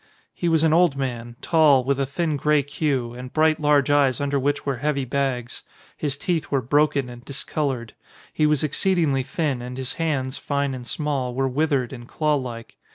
He was an old man, tall, with a thin grey queue, and bright large eyes under which were heavy bags. His teeth were broken and discoloured. He was exceedingly thin, and his hands, fine and small, were withered and claw like.